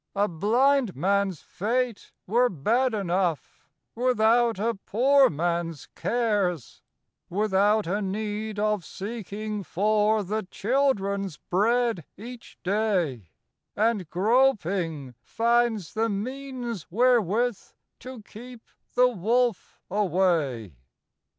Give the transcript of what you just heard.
A blind man's fate were bad enough Without a poor man's cares ; \V ithout a need of seeking for The children's bread each day, And groping, finds the means wherewith To keep the wolf away.